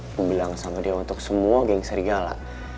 aku bilang sama dia untuk semua geng serigala